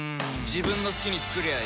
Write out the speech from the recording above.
自分の好きに作りゃいい